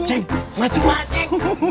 cek masuk lah cek